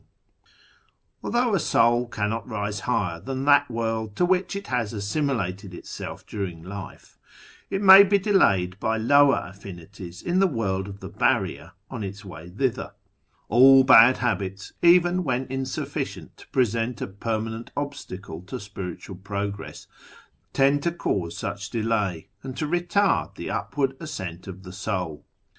142 A YEAR AMONGST THE PERSIANS AlthouLj; li 11 soul launot rise liigher tlian that world to which it lias assimilated itsell" din hil; life, it may be delayed by lower allinities in the "World (if llu; JJarrier" on its way thither. All bad habits, even when insuflicient to present a permanent obstacle to spiritual progress, tend to cause such delay, and to retard the upward ascent of the soul.